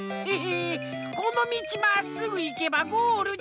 このみちまっすぐいけばゴールじゃん！